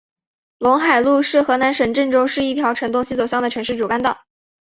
陇海路是河南省郑州市一条呈东西走向的城市主干道。